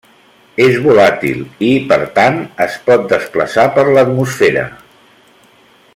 És volàtil i, per tant, es pot desplaçar per l'atmosfera.